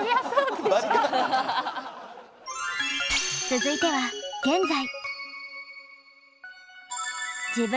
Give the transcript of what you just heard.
続いては現在。